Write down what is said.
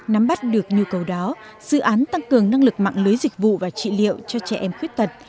nắm bắt được nhu cầu đó dự án tăng cường năng lực mạng lưới dịch vụ và trị liệu cho trẻ em khuyết tật